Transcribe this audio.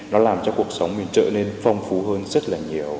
nó làm cho cuộc sống mình trở nên phong phú hơn rất là nhiều